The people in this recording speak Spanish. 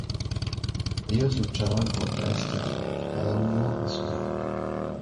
Ellos luchaban contra este hombre, cada uno a su modo.